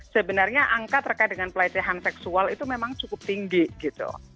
sebenarnya angka terkait dengan pelecehan seksual itu memang cukup tinggi gitu